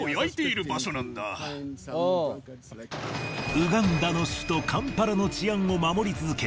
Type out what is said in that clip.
ウガンダの首都カンパラの治安を守り続け